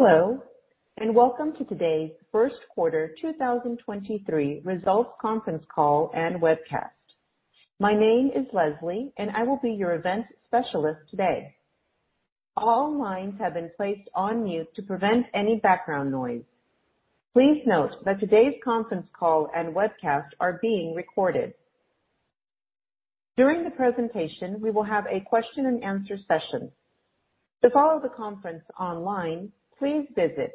Hello, and welcome to today's first quarter 2023 results conference call and webcast. My name is Leslie, and I will be your event specialist today. All lines have been placed on mute to prevent any background noise. Please note that today's conference call and webcast are being recorded. During the presentation, we will have a question-and-answer session. To follow the conference online, please visit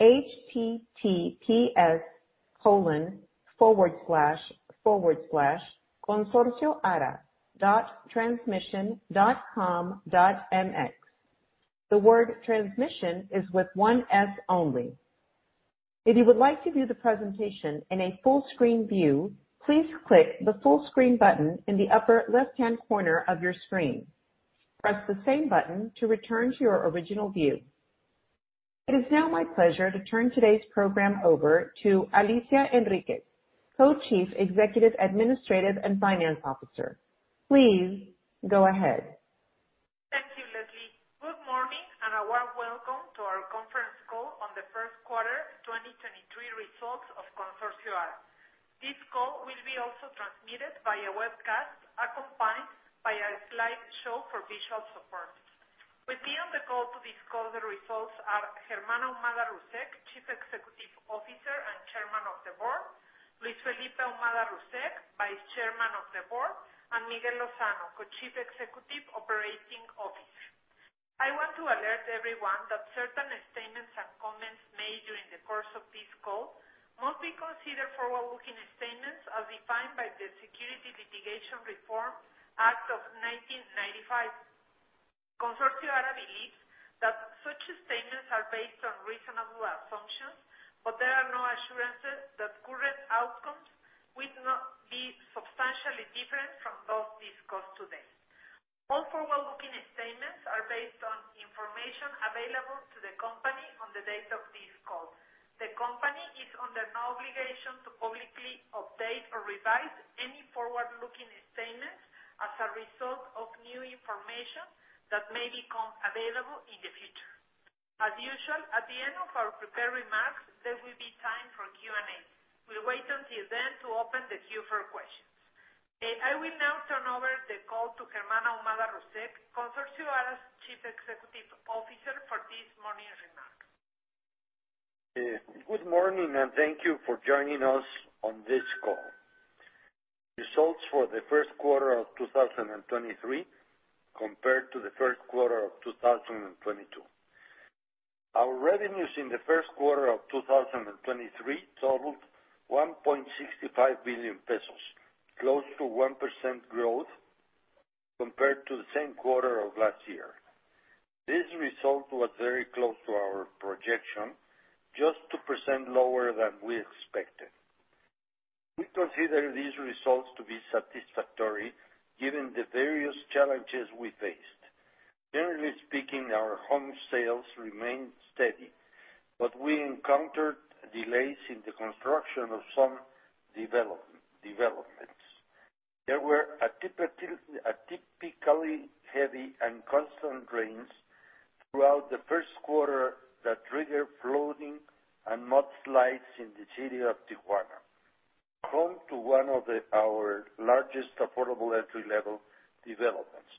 https://consorcioara.transmision.com.mx. The word transmission is with one S only. If you would like to view the presentation in a full-screen view, please click the full screen button in the upper left-hand corner of your screen. Press the same button to return to your original view. It is now my pleasure to turn today's program over to Alicia Enriquez, Co-Chief Executive Administrative and Finance Officer. Please go ahead. Thank you, Leslie. Good morning, and a warm welcome to our conference call on the first quarter 2023 results of Consorcio Ara. This call will be also transmitted via webcast, accompanied by a slideshow for visual support. With me on the call to discuss the results are Germán Ahumada Russek, Chief Executive Officer and Chairman of the Board, Luis Felipe Ahumada Russek, Vice Chairman of the Board, and Miguel Lozano, Co-Chief Executive Operating Officer. I want to alert everyone that certain statements and comments made during the course of this call must be considered forward-looking statements as defined by the Securities Litigation Reform Act of 1995. Consorcio Ara believes that such statements are based on reasonable assumptions, but there are no assurances that current outcomes would not be substantially different from those discussed today. All forward-looking statements are based on information available to the company on the date of this call. The company is under no obligation to publicly update or revise any forward-looking statements as a result of new information that may become available in the future. As usual, at the end of our prepared remarks, there will be time for Q&A. We'll wait until then to open the queue for questions. I will now turn over the call to Germán Ahumada Russek, Consorcio Ara's Chief Executive Officer, for this morning's remarks. Good morning, thank you for joining us on this call. Results for the first quarter of 2023 compared to the first quarter of 2022. Our revenues in the first quarter of 2023 totaled 1.65 billion pesos, close to 1% growth compared to the same quarter of last year. This result was very close to our projection, just 2% lower than we expected. We consider these results to be satisfactory given the various challenges we faced. Generally speaking, our home sales remained steady, we encountered delays in the construction of some developments. There were atypically heavy and constant rains throughout the first quarter that triggered flooding and mudslides in the city of Tijuana, home to one of largest Affordable Entry-Level developments.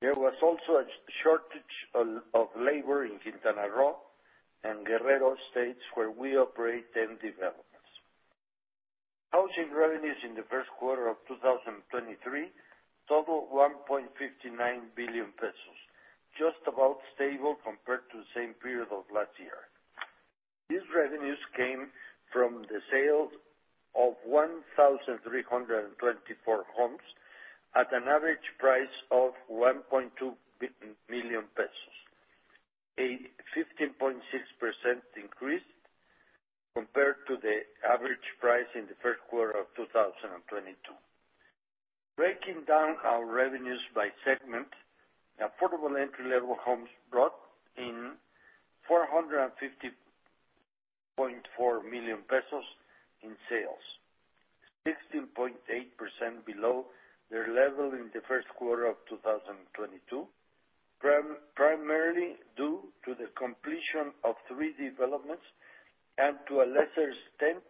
There was also a shortage of labor in Quintana Roo and Guerrero states where we operate 10 developments. Housing revenues in the first quarter of 2023 totaled 1.59 billion pesos, just about stable compared to the same period of last year. These revenues came from the sale of 1,324 homes at an average price of 1.2 million pesos, a 15.6% increase compared to the average price in the first quarter of 2022. Breaking down our revenues by Affordable Entry-Level homes brought in 450.4 million pesos in sales, 16.8% below their level in the first quarter of 2022, primarily due to the completion of three developments and, to a lesser extent,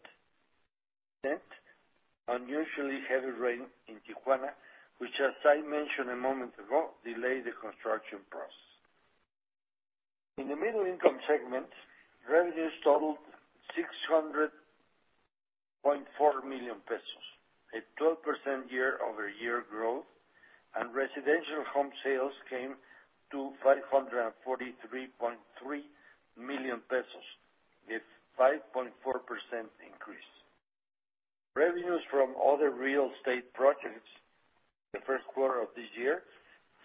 unusually heavy rain in Tijuana, which, as I mentioned a moment ago, delayed the construction process. In the Middle Income segment, revenues totaled MXN 600.4 million, a 12% year-over-year growth, and Residential home sales came to 543.3 million pesos, a 5.4% increase. Revenues from other real estate projects the first quarter of this year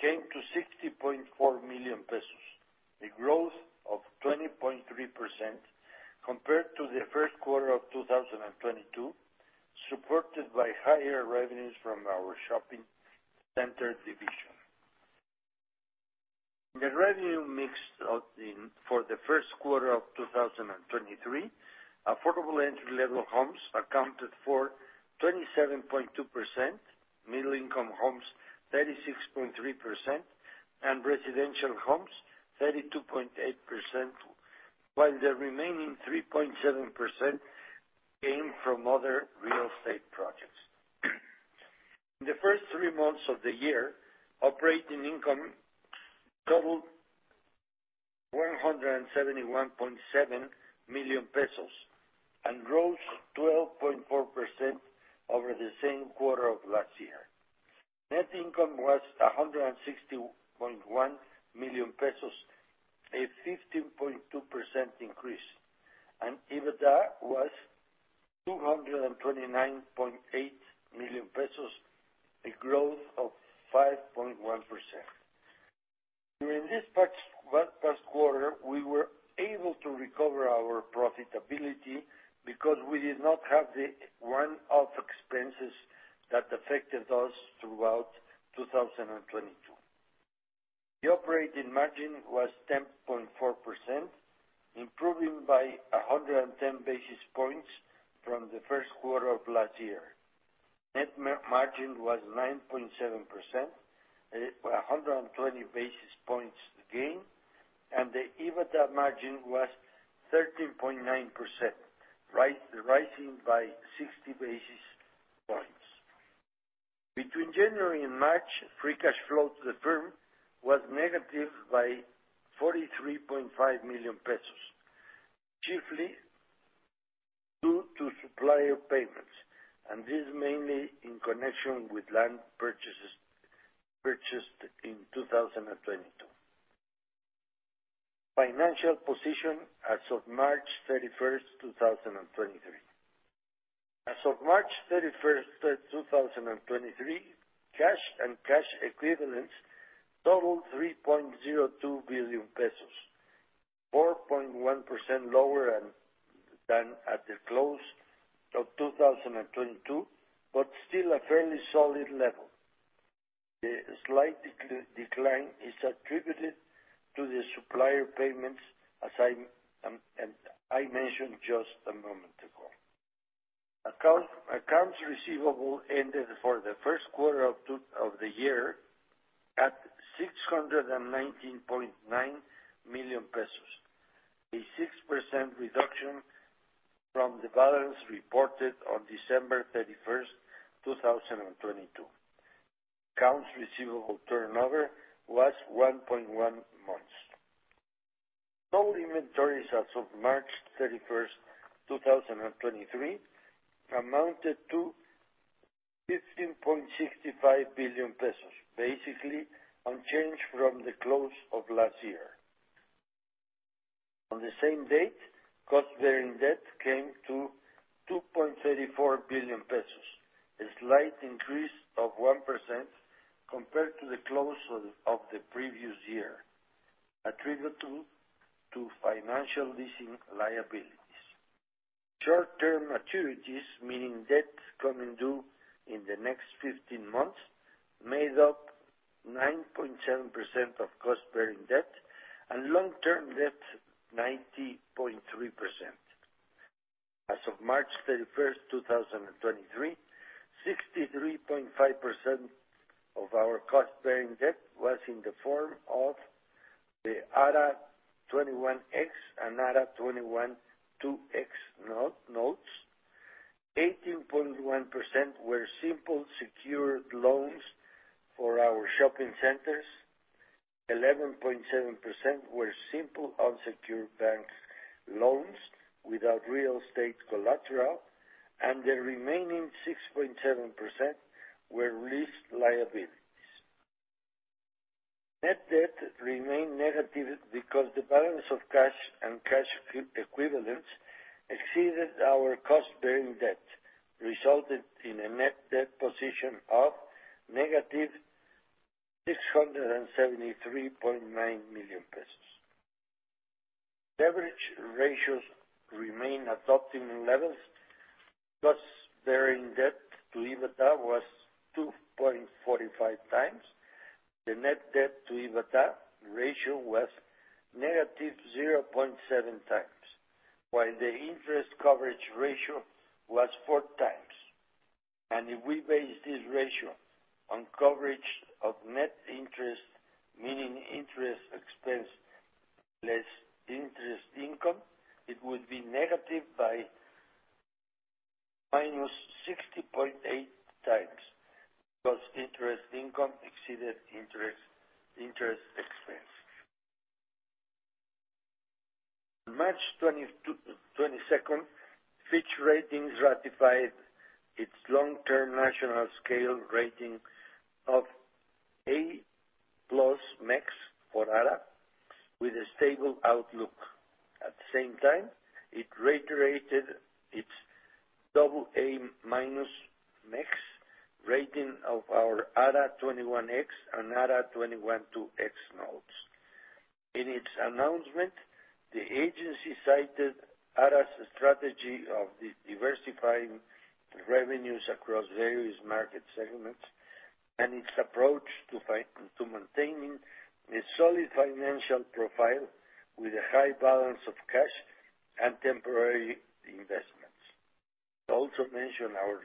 came to 60.4 million pesos, a growth of 20.3% compared to the first quarter of 2022, supported by higher revenues from our shopping center division. The revenue mix for the first quarter Affordable Entry-Level homes accounted for 27.2%, Middle Income homes 36.3%, and Residential homes 32.8%, while the remaining 3.7% came from other real estate projects. In the first three months of the year, operating income totaled 171.7 million pesos and rose 12.4% over the same quarter of last year. Net income was 160.1 million pesos, a 15.2% increase, and EBITDA was 229.8 million pesos, a growth of 5.1%. During this past quarter, we were able to recover our profitability because we did not have the one-off expenses that affected us throughout 2022. The operating margin was 10.4%, improving by 110 basis points from the first quarter of last year. Net margin was 9.7%, 120 basis points gain, and the EBITDA margin was 13.9%, rising by 60 basis points. Between January and March, Free Cash Flow to the Firm was negative by 43.5 million pesos, chiefly due to supplier payments, and this mainly in connection with land purchases purchased in 2022. Financial position as of March 31, 2023. As of March 31, 2023, cash and cash equivalents totaled 3.02 billion pesos, 4.1% lower than at the close of 2022, but still a fairly solid level. The slight decline is attributed to the supplier payments, as I mentioned just a moment ago. Accounts receivable ended for the first quarter of the year at 619.9 million pesos, a 6% reduction from the balance reported on December 31, 2022. Accounts receivable turnover was 1.1 months. Total inventories as of March 31st, 2023 amounted to 15.65 billion pesos, basically unchanged from the close of last year. On the same date, cost-bearing debt came to 2.34 billion pesos, a slight increase of 1% compared to the close of the previous year, attributable to financial leasing liabilities. Short-term maturities, meaning debt coming due in the next 15 months, made up 9.7% of cost-bearing debt, and long-term debt, 90.3%. As of March 31, 2023, 63.5% of our cost-bearing debt was in the form of the ARA 21X and ARA 21-2X notes. 18.1% were simple secured loans for our shopping centers. 11.7% were simple unsecured bank loans without real estate collateral, and the remaining 6.7% were lease liabilities. Net debt remained negative because the balance of cash and cash equivalents exceeded our cost-bearing debt, resulted in a net debt position of negative MXN 673.9 million. Leverage ratios remain at optimal levels. Cost-bearing debt to EBITDA was 2.45x. The net debt to EBITDA ratio was negative 0.7x, while the interest coverage ratio was 4x. If we base this ratio on coverage of net interest, meaning interest expense less interest income, it would be negative by -60.8x because interest income exceeded interest expense. March 22nd, Fitch Ratings ratified its long-term national scale rating of A+(mex) for ARA with a stable outlook. At the same time, it reiterated its AA-(mex) rating of our ARA 21X and ARA 21-2X notes. In its announcement, the agency cited ARA's strategy of diversifying revenues across various market segments and its approach to maintaining a solid financial profile with a high balance of cash and temporary investments. It also mentioned our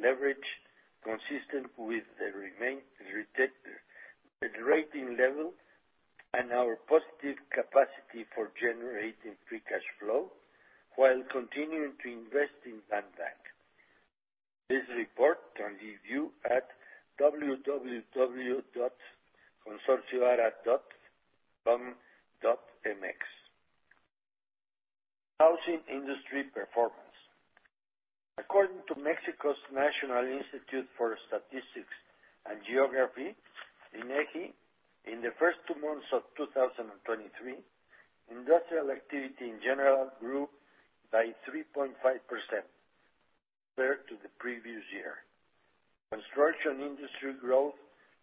leverage consistent with the rated rating level. Our positive capacity for generating free cash flow while continuing to invest in banco de reservas. This report can be viewed at www.consorcioara.com.mx. Housing industry performance. According to Mexico's National Institute of Statistics and Geography, INEGI, in the first two months of 2023, industrial activity in general grew by 3.5% compared to the previous year. Construction industry growth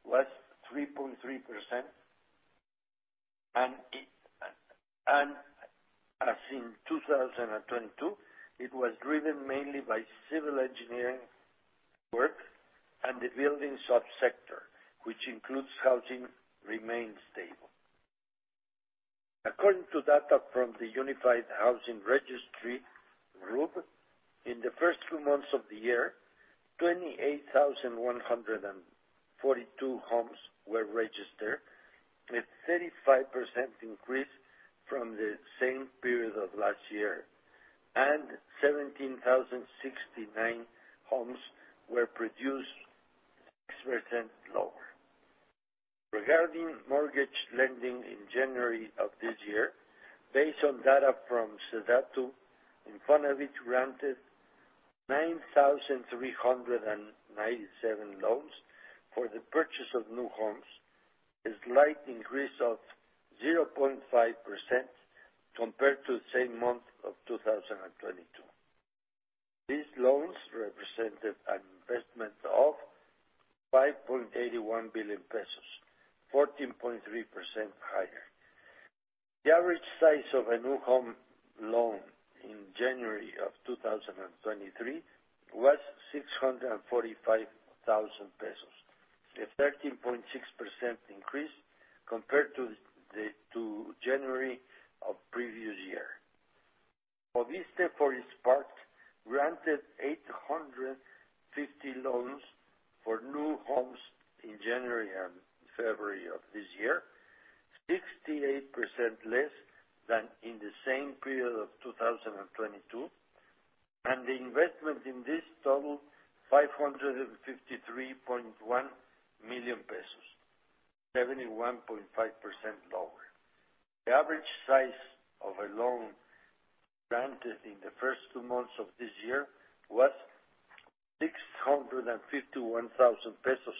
was 3.3%. As in 2022, it was driven mainly by civil engineering work and the building subsector, which includes housing remained stable. According to data from the Unified Housing Registry group, in the first two months of the year, 28,142 homes were registered, a 35% increase from the same period of last year. 17,069 homes were produced, 6% lower. Regarding mortgage lending in January of this year, based on data from SEDATU, Infonavit granted 9,397 loans for the purchase of new homes, a slight increase of 0.5% compared to the same month of 2022. These loans represented an investment of 5.81 billion pesos, 14.3% higher. The average size of a new home loan in January of 2023 was 645,000 pesos, a 13.6% increase compared to January of previous year. Fovissste, for its part, granted 850 loans for new homes in January and February of this year, 68% less than in the same period of 2022. The investment in this totaled 553.1 million pesos, 71.5% lower. The average size of a loan granted in the first two months of this year was 651,000 pesos,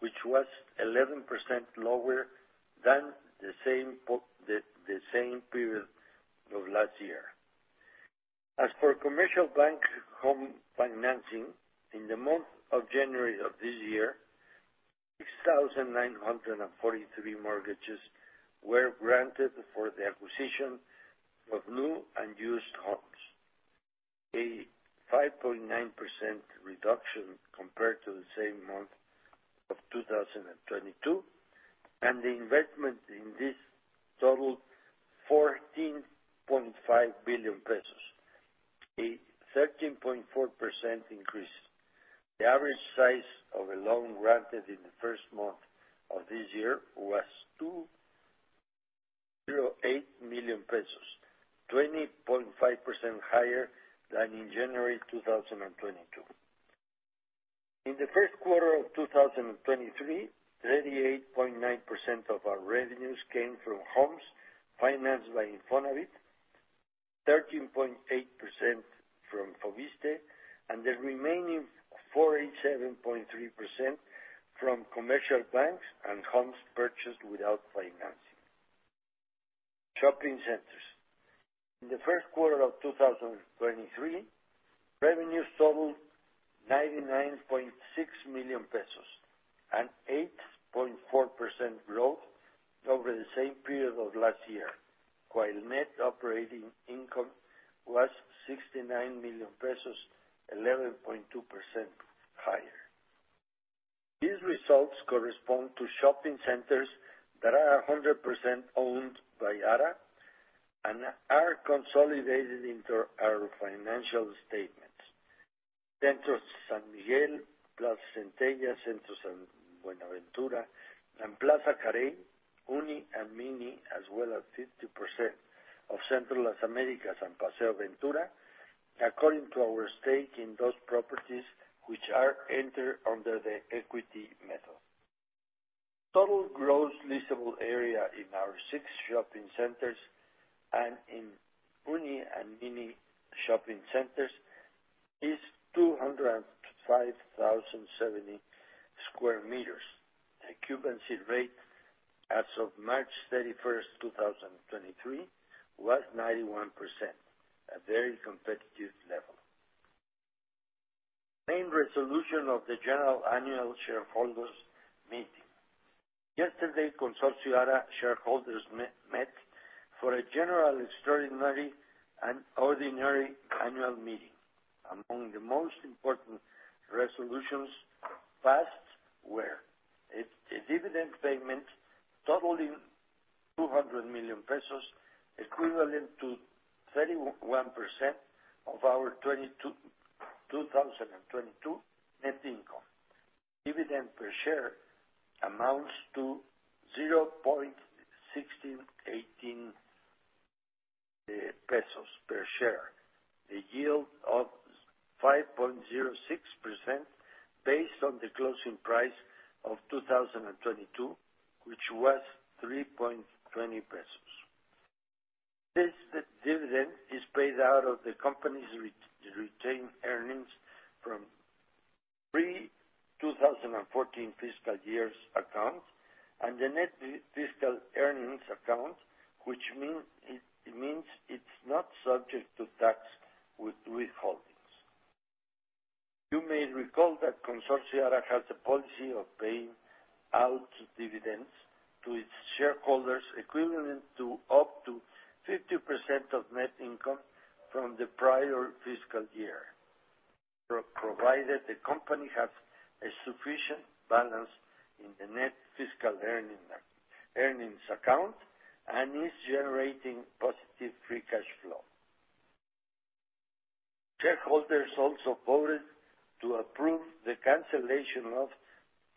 which was 11% lower than the same period of last year. As for commercial bank home financing, in the month of January of this year, 6,943 mortgages were granted for the acquisition of new and used homes. A 5.9% reduction compared to the same month of 2022. The investment in this totaled 14.5 billion pesos, a 13.4% increase. The average size of a loan granted in the first month of this year was 2.08 million pesos, 20.5% higher than in January 2022. In the first quarter of 2023, 38.9% of our revenues came from homes financed by Infonavit, 13.8% from Fovissste, and the remaining 47.3% from commercial banks and homes purchased without financing. Shopping centers. In the first quarter of 2023, revenues totaled MXN 99.6 million, an 8.4% growth over the same period of last year, while net operating income was 69 million pesos, 11.2% higher. These results correspond to shopping centers that are 100% owned by ARA and are consolidated into our financial statements. Centro San Miguel, Plaza Centella, Centro San Buenaventura, and Plaza Carey, Uni and Mini, as well as 50% of Centro Las Américas and Paseo Ventura, according to our stake in those properties, which are entered under the equity method. Total gross leasable area in our six shopping centers and in "uni" and "mini" shopping centers is 205,070 sq m. The occupancy rate as of March 31st, 2023 was 91%, a very competitive level. Main resolution of the general annual shareholders meeting. Yesterday, Consorcio Ara shareholders met for a General Extraordinary and Ordinary Annual Meeting. Among the most important resolutions passed were a dividend payment totaling 200 million pesos, equivalent to 31% of our 2022 net income. Dividend per share amounts to 0.1618 MXN per share, a yield of 5.06% based on the closing price of 2022, which was 3.20 pesos. This dividend is paid out of the company's retained earnings from pre-2014 fiscal year's accounts and the net fiscal earnings account, which mean, it means it's not subject to tax withholdings. You may recall that Consorcio Ara has a policy of paying out dividends to its shareholders equivalent to up to 50% of net income from the prior fiscal year, provided the company has a sufficient balance in the net fiscal earnings account and is generating positive free cash flow. Shareholders also voted to approve the cancellation of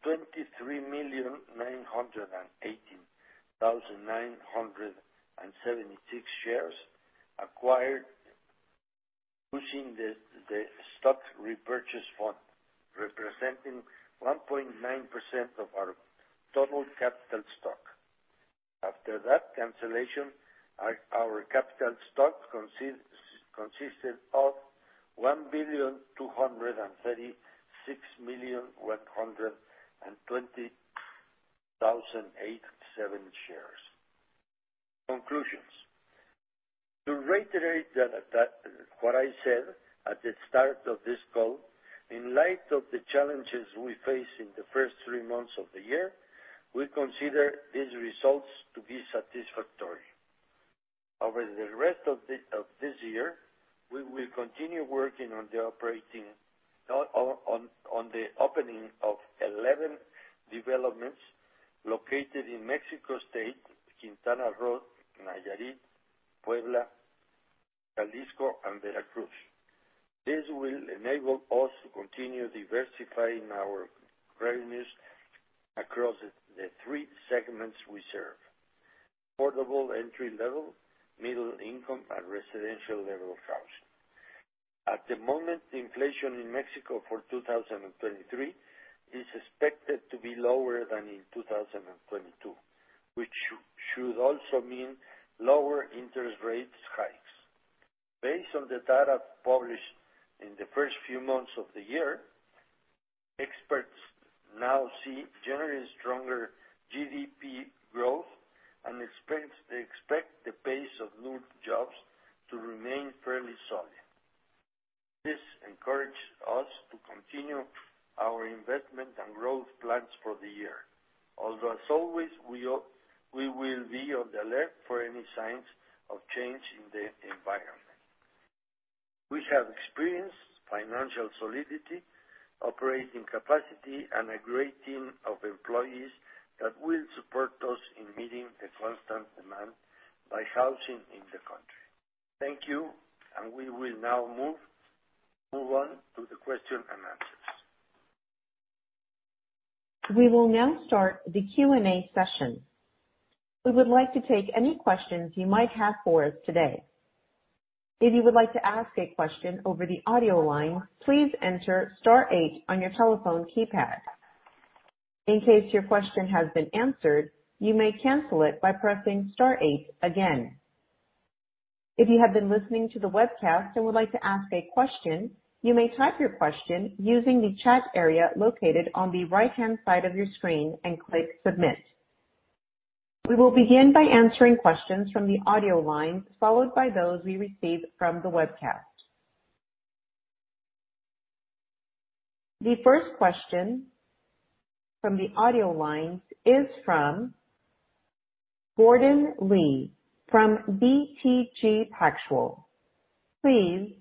23,918,976 shares acquired using the stock repurchase fund, representing 1.9% of our total capital stock. After that cancellation, our capital stock consisted of 1,236,120,087 shares. Conclusions. To reiterate that what I said at the start of this call, in light of the challenges we face in the first three months of the year, we consider these results to be satisfactory. Over the rest of this year, we will continue working on the operating on the opening of 11 developments located in Mexico State, Quintana Roo, Nayarit, Puebla, Jalisco, and Veracruz. This will enable us to continue diversifying our revenues across the three segments we serve: Affordable-Entry Level, Middle Income, and Residential level of housing. At the moment, inflation in Mexico for 2023 is expected to be lower than in 2022, which should also mean lower interest rates hikes. Based on the data published in the first few months of the year, experts now see generally stronger GDP growth and expect the pace of new jobs to remain fairly solid. This encourages us to continue our investment and growth plans for the year. As always, we will be on the alert for any signs of change in the environment. We have experienced financial solidity, operating capacity, and a great team of employees that will support us in meeting the constant demand by housing in the country. Thank you, and we will now move on to the question and answers. We will now start the Q&A session. We would like to take any questions you might have for us today. If you would like to ask a question over the audio line, please enter star eight on your telephone keypad. In case your question has been answered, you may cancel it by pressing star eight again. If you have been listening to the webcast and would like to ask a question, you may type your question using the chat area located on the right-hand side of your screen and click Submit. We will begin by answering questions from the audio line, followed by those we receive from the webcast. The first question from the audio line is from Gordon Lee from BTG Pactual. Please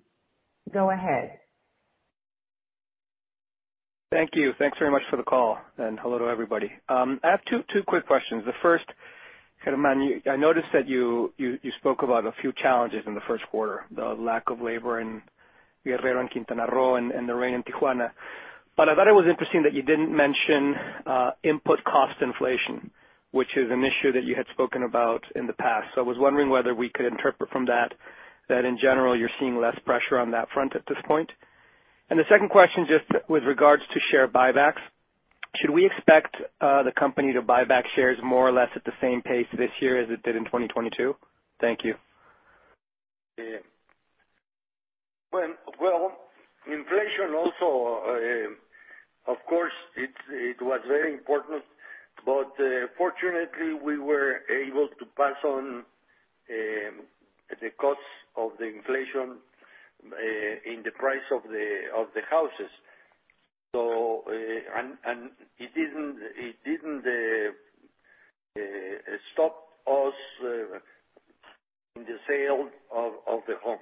go ahead. Thank you. Thanks very much for the call. Hello to everybody. I have two quick questions. The first, Germán, I noticed that you spoke about a few challenges in the first quarter, the lack of labor in Guerrero and Quintana Roo and the rain in Tijuana. I thought it was interesting that you didn't mention input cost inflation, which is an issue that you had spoken about in the past. I was wondering whether we could interpret from that in general, you're seeing less pressure on that front at this point. The second question just with regards to share buybacks. Should we expect the company to buy back shares more or less at the same pace this year as it did in 2022? Thank you. Well, inflation also, of course, it was very important, but fortunately, we were able to pass on the costs of the inflation in the price of the houses. And it didn't stop us in the sale of the homes.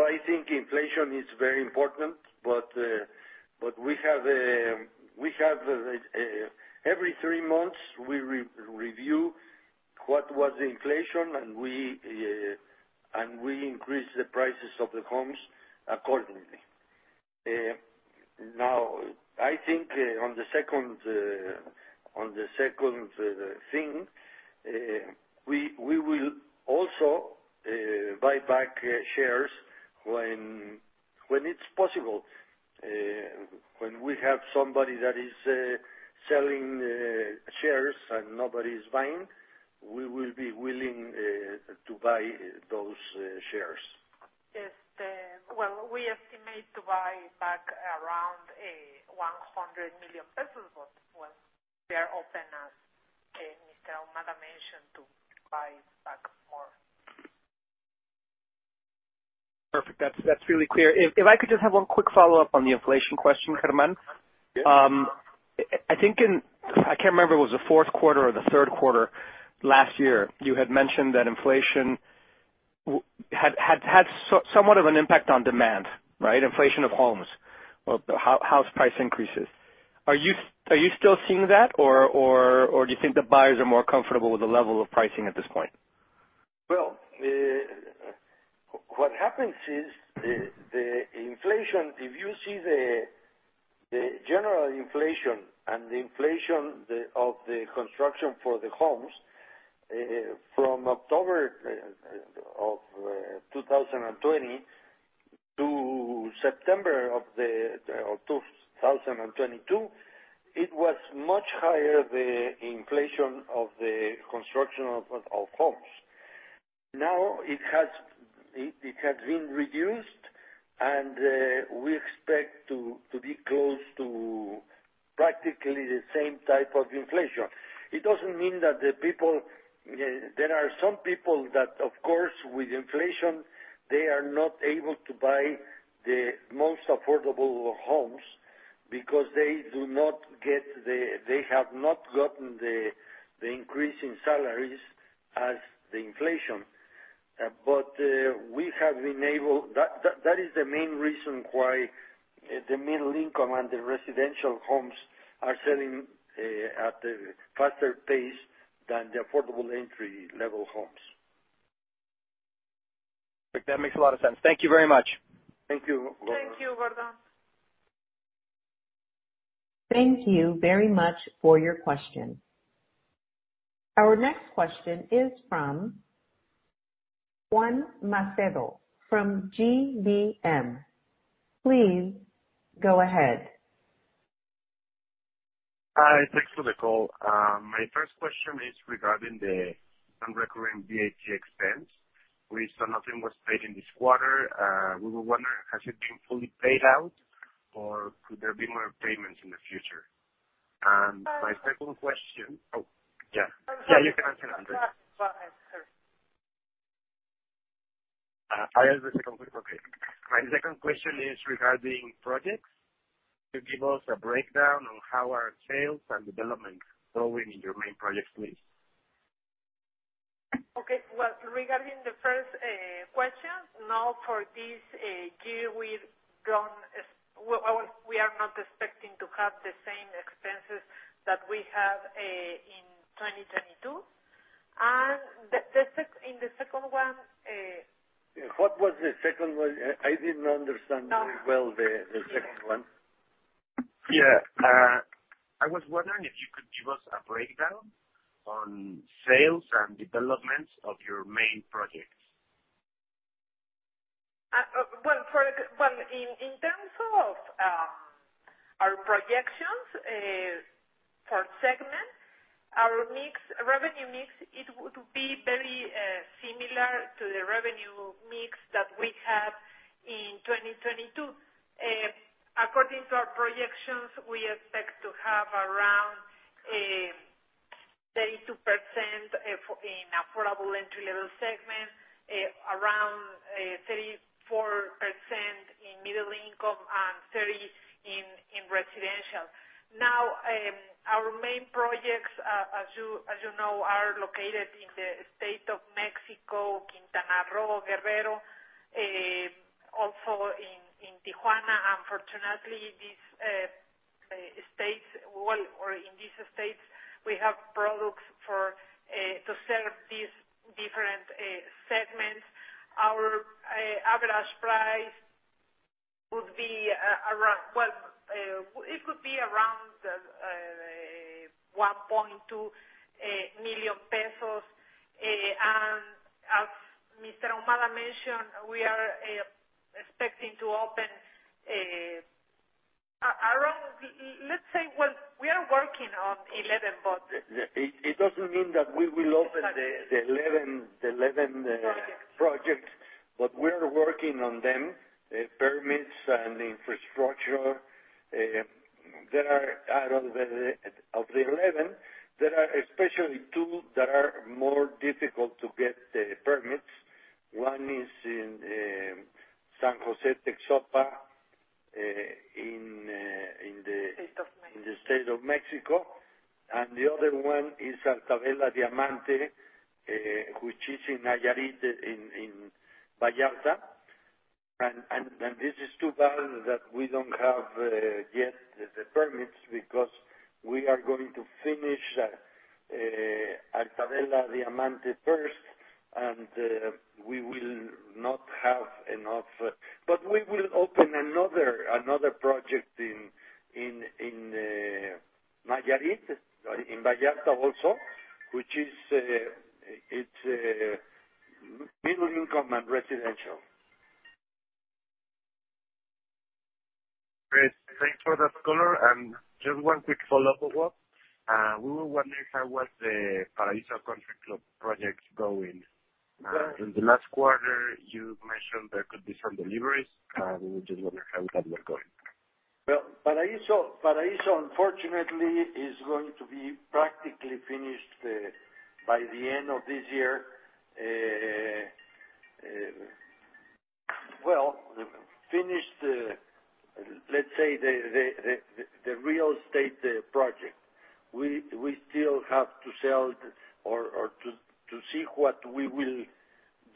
I think inflation is very important, but we have every three months, we re-review what was the inflation and we increased the prices of the homes accordingly. Now, I think on the second thing, we will also buy back shares when it's possible. When we have somebody that is selling shares and nobody is buying, we will be willing to buy those shares. Yes. We estimate to buy back around 100 million pesos, but we are open as Mr. Ahumada mentioned, to buy back more. Perfect. That's really clear. If I could just have one quick follow-up on the inflation question, Germán. Yes. I think in... I can't remember if it was the fourth quarter or the third quarter last year, you had mentioned that inflation had somewhat of an impact on demand, right? Inflation of homes. House price increases. Are you still seeing that? Or do you think the buyers are more comfortable with the level of pricing at this point? Well, what happens is the inflation, if you see the general inflation and the inflation of the construction for the homes, from October of 2020 to September of 2022, it was much higher, the inflation of the construction of homes. Now, it has been reduced, and we expect to be close to practically the same type of inflation. It doesn't mean that the people, there are some people that, of course, with inflation, they are not able to buy the most affordable homes because they do not get the, they have not gotten the increase in salaries as the inflation. We have been able... That is the main reason why the Middle Income and the Residential homes are selling at a faster pace than the affordable entry level homes. That makes a lot of sense. Thank you very much. Thank you, Gordon. Thank you, Gordon. Thank you very much for your question. Our next question is from Juan Macedo from GBM. Please go ahead. Hi. Thanks for the call. My first question is regarding the non-recurring VAT expense. We saw nothing was paid in this quarter. We were wondering, has it been fully paid out, or could there be more payments in the future? My second question... Oh, yeah. You can answer. Sorry. I have the second one. My second question is regarding projects. Could you give us a breakdown on how are sales and development growing in your main projects, please? Okay. Well, regarding the first question, now for this year, we've grown, well, we are not expecting to have the same expenses that we have in 2022. The second one. What was the second one? I didn't understand- Uh. Very well, the second one. Yeah. I was wondering if you could give us a breakdown on sales and developments of your main projects. Well, in terms of our projections per segment, our mix, revenue mix, it would be very similar to the revenue mix that we had in 2022. According to our projections, we expect to have around Affordable Entry-Level segment, around 34% in Middle Income and 30% in Residential. Our main projects, as you know, are located in the State of Mexico, Quintana Roo, Guerrero, also in Tijuana. Fortunately, in these states, we have products for to serve these different segments. Our average price would be around, it could be around MXN 1.2 million. As Mr. Ahumada mentioned, we are expecting to open. We are working on 11. It doesn't mean that we will open the, the eleven, the eleven projects, but we are working on them, permits and infrastructure. There are out of the 11, there are especially two that are more difficult to get the permits. One is in San José Texopa, in the State of Mexico. The other one is Altavela Diamante, which is in Nayarit in Vallarta. This is too bad that we don't have yet the permits because we are going to finish Altavela Diamante first, and we will not have enough... We will open another project in Nayarit, in Vallarta also, which is it's Middle Income and Residential. Great. Thanks for that color. Just one quick follow-up as well. We were wondering how was the Paraiso Country Club project going? Yeah. In the last quarter, you mentioned there could be some deliveries. We were just wondering how that was going. Paraiso unfortunately is going to be practically finished by the end of this year. Finished, let's say the real estate project. We still have to sell or to see what we will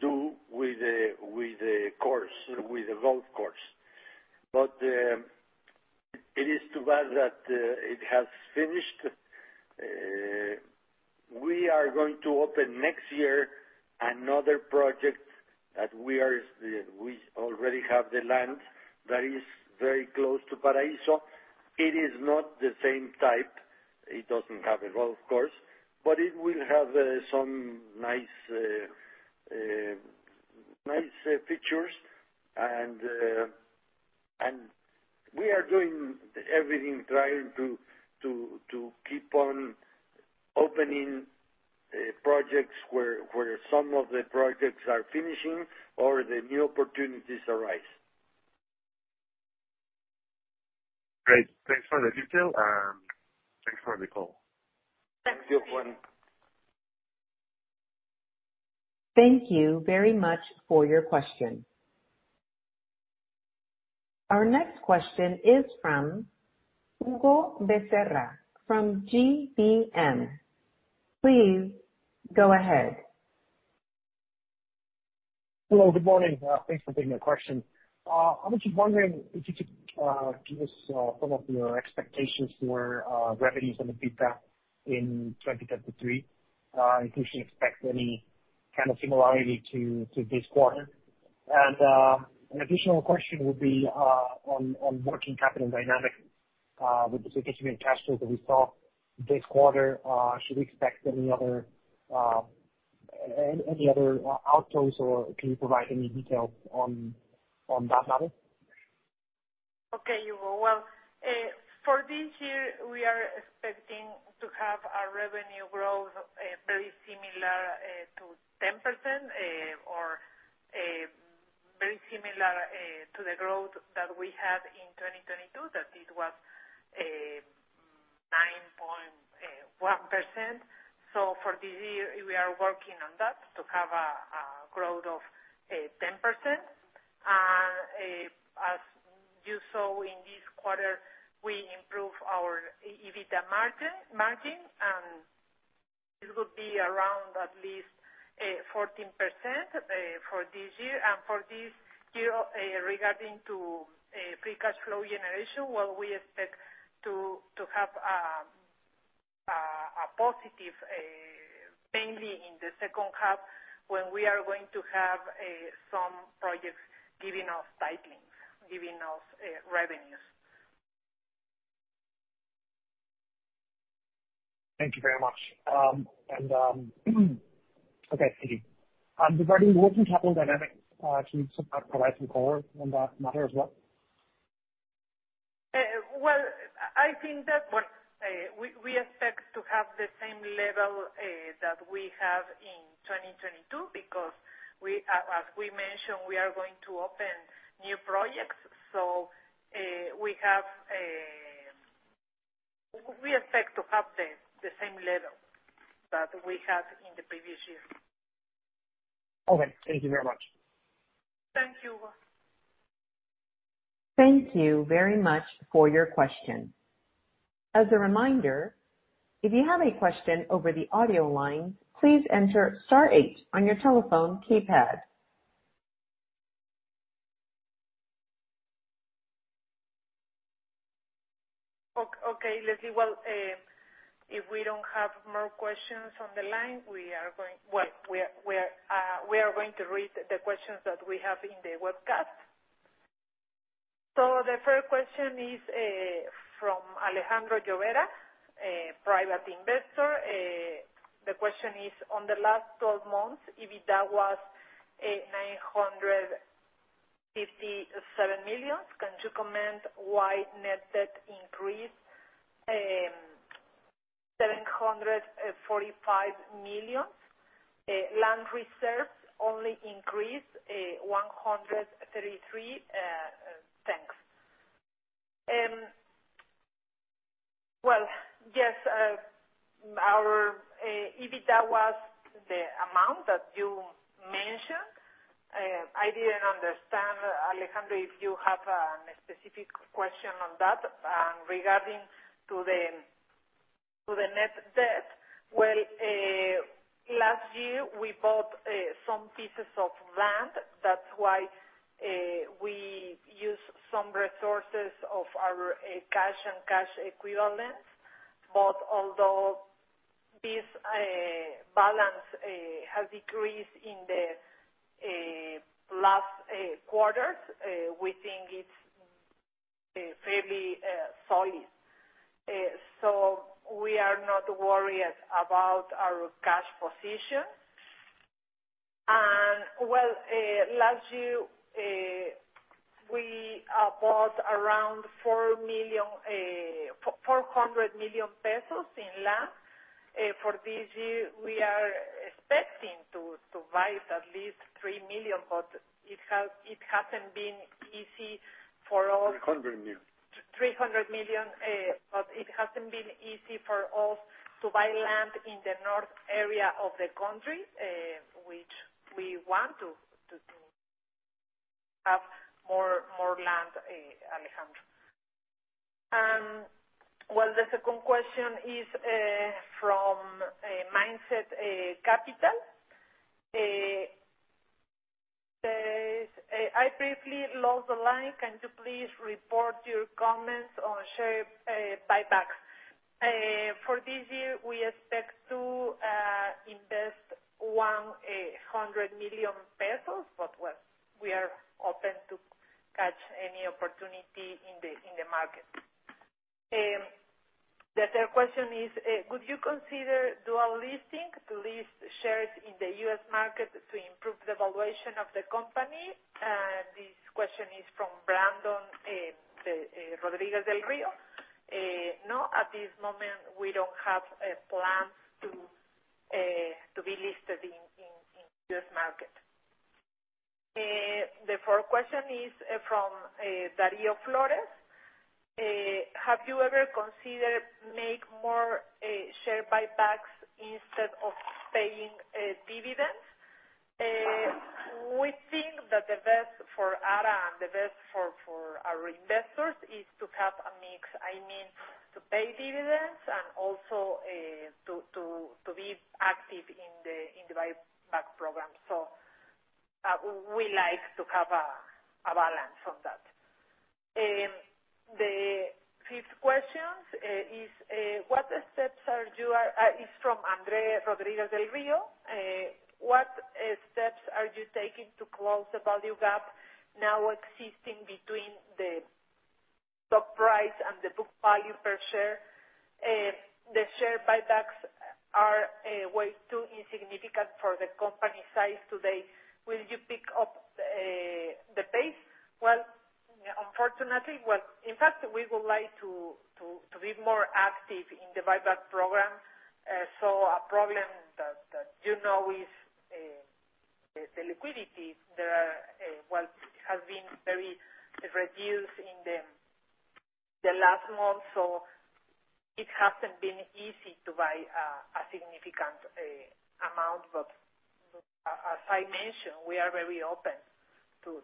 do with the course, with the golf course. It is too bad that it has finished. We are going to open next year another project that we already have the land that is very close to Paraiso. It is not the same type. It doesn't have a golf course, but it will have some nice features. We are doing everything trying to keep on opening projects where some of the projects are finishing or the new opportunities arise. Great. Thanks for the detail, and thanks for the call. Thank you. Thank you very much for your question. Our next question is from Hugo Becerra from GBM. Please go ahead. Hello, good morning. Thanks for taking my question. I was just wondering if you could give us some of your expectations for revenues and EBITDA in 2023. If we should expect any kind of similarity to this quarter. An additional question would be on working capital dynamic with the decrease in cash flow that we saw this quarter, should we expect any other outlays, or can you provide any detail on that matter? Okay, Hugo. Well, for this year, we are expecting to have our revenue growth very similar to 10% or very similar to the growth that we had in 2022, that it was 9.1%. For this year we are working on that to have a growth of 10%. As you saw in this quarter, we improve our EBITDA margin, and it would be around at least 14% for this year. For this year, regarding to free cash flow generation, well, we expect to have a positive mainly in the second half, when we are going to have some projects giving us titlings, giving us revenues. Thank you very much. Okay. Regarding working capital dynamics, can you sort of provide some color on that matter as well? Well, I think that, well, we expect to have the same level that we have in 2022 because we, as we mentioned, we are going to open new projects. We expect to have the same level that we had in the previous year. Okay. Thank you very much. Thank you, Hugo. Thank you very much for your question. As a reminder, if you have a question over the audio line, please enter star eight on your telephone keypad. Okay, Leslie. If we don't have more questions on the line, we are going to read the questions that we have in the webcast. The first question is from Alejandro Llobera, a private investor. The question is: "On the last 12 months, EBITDA was 957 million. Can you comment why net debt increased 745 million? Land reserves only increased 133. Thanks." Well, yes, our EBITDA was the amount that you mentioned. I didn't understand, Alejandro, if you have a specific question on that. Regarding to the net debt. Well, last year we bought some pieces of land. That's why we used some resources of our cash and cash equivalents. Although this balance has decreased in the last quarter, we think it's fairly solid. We are not worried about our cash position. Well, last year, we bought around 4 million, 400 million pesos in land. For this year, we are expecting to buy at least 3 million, but it hasn't been easy for us. 300 million. 300 million. It hasn't been easy for us to buy land in the north area of the country, which we want to do. Have more land, Alejandro. Well, the second question is from Mindset Capital. Says, "I briefly lost the line. Can you please repeat your comments on share buybacks?" For this year, we expect to invest 100 million pesos, well, we are open to catch any opportunity in the market. The third question is, "Could you consider dual listing to list shares in the U.S. market to improve the valuation of the company?" This question is from Brandon Rodriguez del Rio. No, at this moment, we don't have plans to be listed in U.S. market. The fourth question is from Darío Flores: "Have you ever considered make more share buybacks instead of paying dividends?" We think that the best for Ara and the best for our investors is to have a mix, I mean, to pay dividends and also to be active in the buyback program. We like to have a balance on that. The fifth question is. It's from Andre Rodriguez del Rio. "What steps are you taking to close the value gap now existing between the stock price and the book value per share? The share buybacks are way too insignificant for the company size today. Will you pick up the pace?" Well, unfortunately... Well, in fact, we would like to be more active in the buyback program. A problem that you know is the liquidity. There are, well, it has been very reduced in the last month, so it hasn't been easy to buy a significant amount. As I mentioned, we are very open to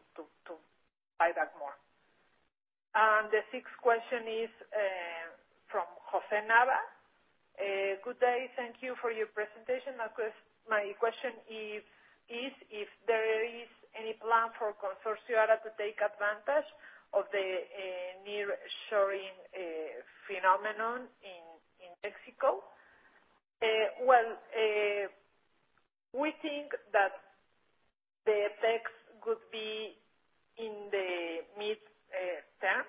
buy back more. The sixth question is from Jose Nava: "Good day. Thank you for your presentation. My question is if there is any plan for Consorcio Ara to take advantage of the nearshoring phenomenon in Mexico." Well, we think that the effects could be in the midterm.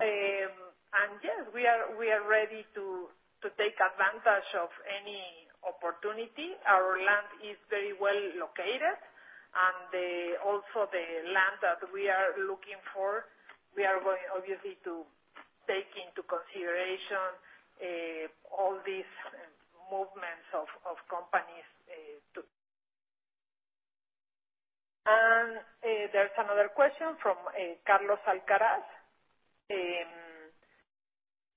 Yes, we are ready to take advantage of any opportunity. Our land is very well located. The, also the land that we are looking for, we are going obviously to take into consideration all these movements of companies. There's another question from Carlos Alcaraz.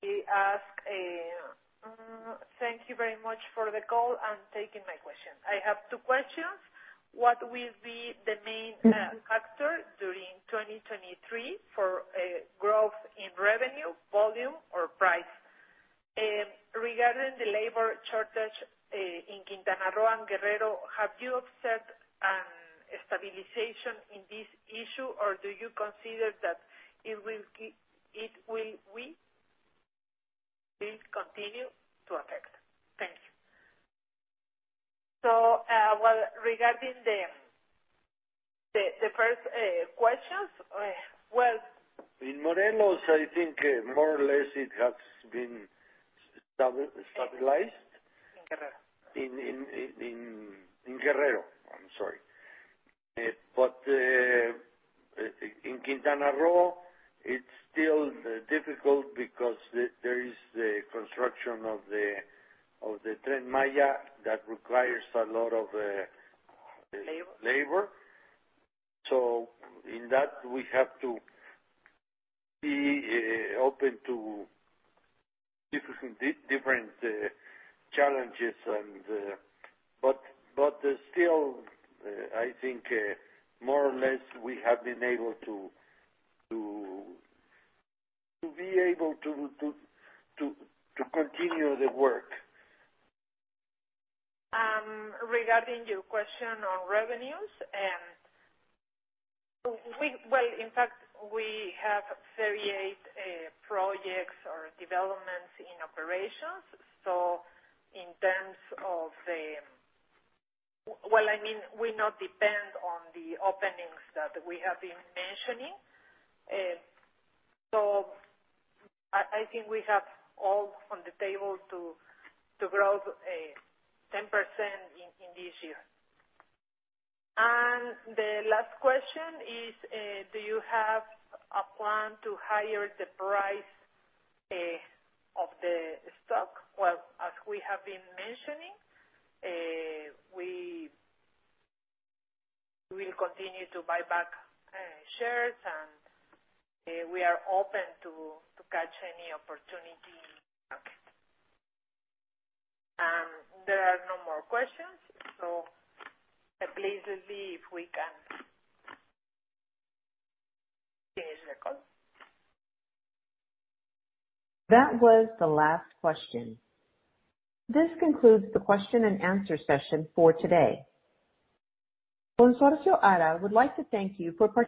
He asks, "Thank you very much for the call and taking my question. I have two questions. What will be the main factor during 2023 for growth in revenue, volume or price? Regarding the labor shortage in Quintana Roo and Guerrero, have you observed a stabilization in this issue, or do you consider that it will continue to affect? Thank you." Well, regarding the first questions. In Morelos, I think, more or less it has been stabilized. In Guerrero. In Guerrero. I'm sorry. In Quintana Roo, it's still difficult because there is the construction of the Tren Maya that requires a lot of. Labor. -labor. In that, we have to be open to different challenges and. Still, I think, more or less, we have been able to be able to continue the work. Regarding your question on revenues, well, in fact, we have 38 projects or developments in operations. In terms of, I mean, we not depend on the openings that we have been mentioning. I think we have all on the table to grow 10% in this year. The last question is, do you have a plan to higher the price of the stock? As we have been mentioning, we will continue to buy back shares, and we are open to catch any opportunity in the market. There are no more questions, please, Leslie, if we can finish the call. That was the last question. This concludes the question-and-answer session for today. Consorcio Ara would like to thank you for participating.